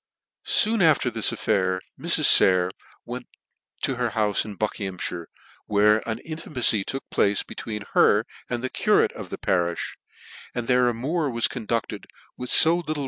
Soon after this affair Mrs. Sayer went to her houfe in Buckinghammire, where an intimacy took place between her and the curate of the pa rifli, and their amour was conducted with fo little VOL.